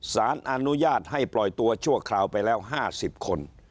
สารอนุญาตให้ปล่อยตัวชั่วคราวไปแล้ว๕๐คน